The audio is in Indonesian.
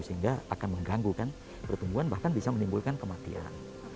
sehingga akan mengganggu kan pertumbuhan bahkan bisa menimbulkan kematian